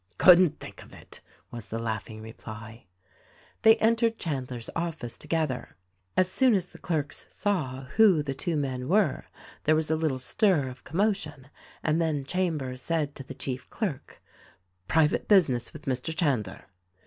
"Couldn't think of it!" was the laughing reply. They entered Chandler's office together. As soon as the clerks saw who the two men were there was a little stir of commotion, and then Chambers said to the chief clerk, "Pri vate business with Mr. Chandler."